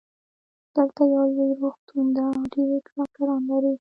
دلته یو لوی روغتون ده او ډېر ډاکټران لری